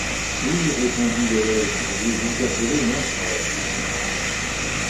Oui, répondit l’évêque, vous vous appelez mon frère.